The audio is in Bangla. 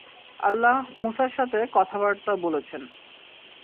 আল্লাহ মূসার সাথে কথাবার্তা বলেছেন।